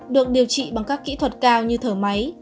được điều trị bằng các kỹ thuật cao như thở máy